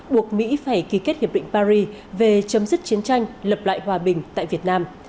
buộc mỹ phải ký kết hiệp định paris về chấm dứt chiến tranh lập lại hòa bình tại việt nam